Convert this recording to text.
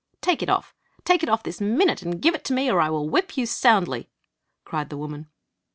"Take it ©fff Tske it oflf this minute and give it me — or I will whip you soundly !" cried the woman.